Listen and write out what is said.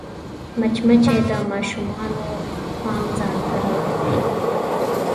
مچمچۍ د ماشومانو پام ځان ته رااړوي